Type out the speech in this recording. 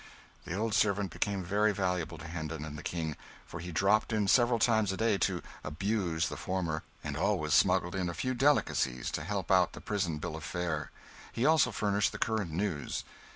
The old servant became very valuable to Hendon and the King; for he dropped in several times a day to 'abuse' the former, and always smuggled in a few delicacies to help out the prison bill of fare; he also furnished the current news.